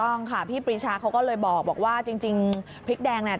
ต้องค่ะพี่ปรีชาเขาก็เลยบอกว่าจริงพริกแดงเนี่ย